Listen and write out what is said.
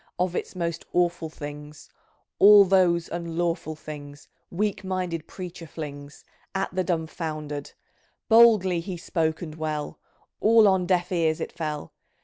Of its most awful things, All those unlawful things, Weak minded preacher flings At the dumb founder'd I Boldly bespoke, and well, All on deaf ears it fell.